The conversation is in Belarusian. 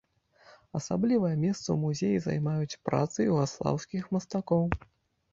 Асаблівае месца ў музеі займаюць працы югаслаўскіх мастакоў.